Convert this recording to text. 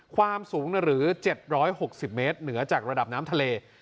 ความสูงหรือ๗๖๐เมตรเหนือจากระดับน้ำทะเล